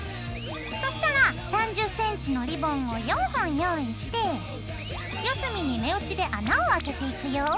そしたら３０ｃｍのリボンを４本用意して４隅に目打ちで穴を開けていくよ。